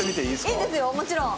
いいですよ、もちろん。